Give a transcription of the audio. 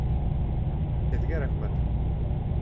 Һеҙгә рәхмәт!